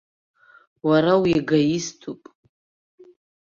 Уара уегоиступ.